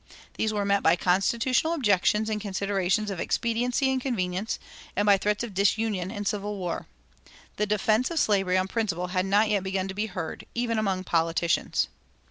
These were met by constitutional objections and considerations of expediency and convenience, and by threats of disunion and civil war. The defense of slavery on principle had not yet begun to be heard, even among politicians.